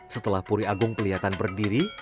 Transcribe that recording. setelah puri agung kelihatan berdiri